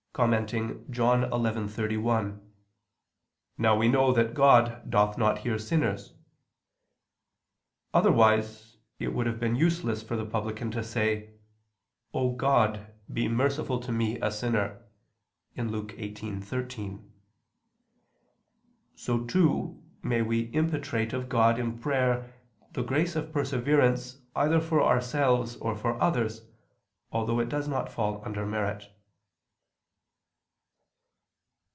] on John 11:31, "Now we know that God doth not hear sinners," otherwise it would have been useless for the publican to say: "O God, be merciful to me a sinner," Luke 18:13. So too may we impetrate of God in prayer the grace of perseverance either for ourselves or for others, although it does not fall under merit.